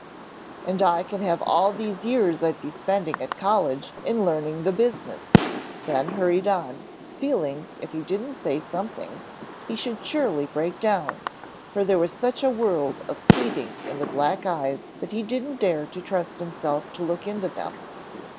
"And I can have all these years I'd be spending at college in learning the business," Ben hurried on, feeling if he didn't say something, he should surely break down; for there was such a world of pleading in the black eyes that he didn't dare to trust himself to look into them.